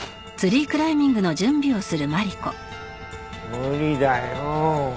無理だよ。